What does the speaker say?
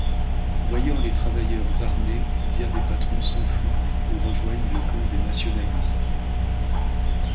Voyant les travailleurs armés, bien des patrons s'enfuient ou rejoignent le camp des nationalistes.